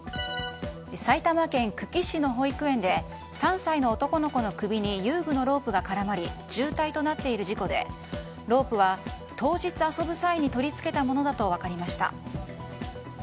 埼玉県久喜市の保育園で３歳の男の子の首に遊具のロープが絡まり重体となっている事故でロープは当日遊ぶ際に取り付けたものだと分かりました。